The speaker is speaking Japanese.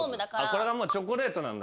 これがもうチョコレートなんだ。